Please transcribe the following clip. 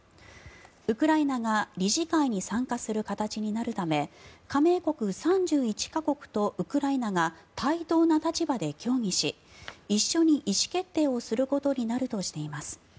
ウクライナが理事会に参加する形になるため加盟国３１か国とウクライナが対等な立場で協議し一緒に意思決定をすることになるとしています。